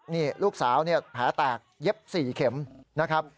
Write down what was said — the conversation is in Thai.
นี่ลูกสาวเนี่ยแผลแตกเย็บ๔เข็มนะครับ